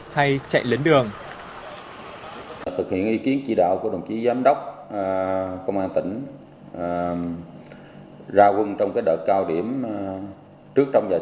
hay chạy lên đường